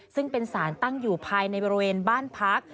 ซึ่งเป็นสารตั้งอยู่ภายในบริเวณบ้านพัก